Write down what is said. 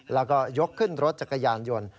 แล้วก็ยกขึ้นรถจักรยานยนต์